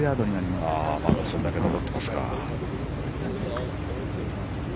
まだそれだけ残ってますか。